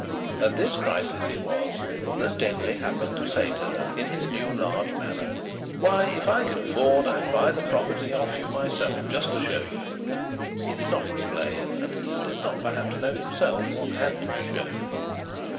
At this crisis it was that Denry happened to say to her, in his new large manner: "Why! If I could afford, I'd buy the property off you myself, just to show you...!" (He did not explain, and he did not perhaps know himself, what had to be shown.)